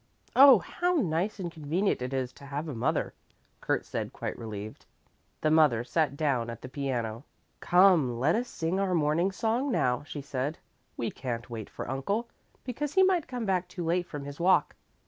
"Oh, how nice and convenient it is to have a mother," Kurt said quite relieved. The mother sat down at the piano. "Come, let us sing our morning song, now," she said. "We can't wait for uncle, because he might come back too late from his walk."